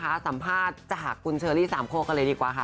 สัมภาษณ์จากคุณเชอรี่สามโคกกันเลยดีกว่าค่ะ